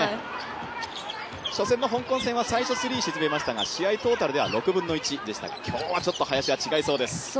初戦の香港戦は最初のスリーを沈めましたが試合トータルでは６分の１でしたが今日はちょっと林は違いそうです。